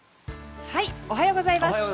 おはようございます。